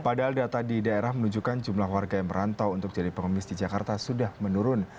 padahal data di daerah menunjukkan jumlah warga yang merantau untuk jadi pengemis di jakarta sudah menurun